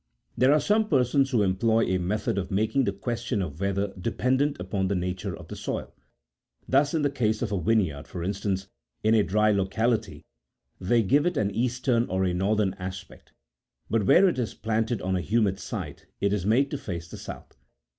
(3.) There are some persons who employ a method of making the question of weather dependent upon the nature of the soil ; thus in the case of a vineyard, for instance, in* a dry locality, they give it an eastern or a northern aspect ; but where it is planted on a humid site, it is made to face the south.